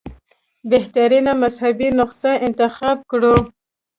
بهترینه مذهبي نسخه انتخاب کړو.